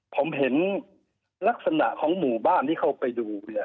ผมเห็นลักษณะของหมู่บ้านที่เข้าไปดูเนี่ย